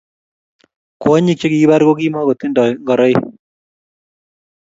kwonyik che kikipar ko kimatindo ngoraiki